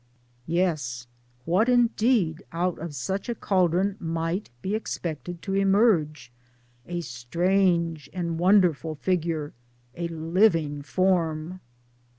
... ,Yes, what indeed out of such a Cauldron might be expected to emerge a strange and] wonderful Figure, a living Form 1